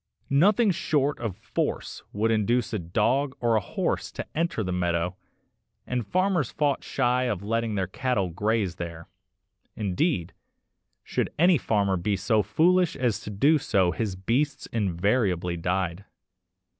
Nothing short of force would induce a dog or a horse to enter the meadow, and farmers fought shy of letting their cattle graze there; indeed, should any farmer be so foolish as to do so his beasts invariably died.